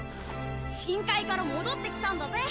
深海から戻ってきたんだぜ。